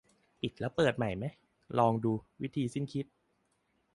ปิดแล้วเปิดใหม่ไหม ลองดู วิธีสิ้นคิด